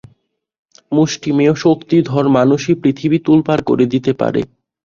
মুষ্টিমেয় শক্তিধর মানুষই পৃথিবী তোলপাড় করে দিতে পারে।